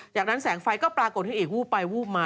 จากนั้นแสงไฟก็ปรากฏให้เอกวูบไปวูบมา